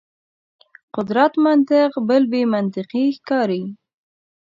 قدرت منطق بل بې منطقي ښکاري.